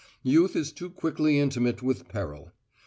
Youth is too quickly intimate with peril.